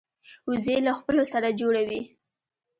وزې له خپلو سره جوړه وي